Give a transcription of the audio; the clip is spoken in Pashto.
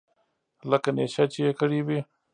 لکه نېشه چې يې کړې وي.